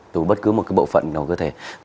tú bất cứ một bộ phận nào cơ thể